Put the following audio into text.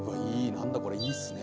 何だこれいいっすね。ね？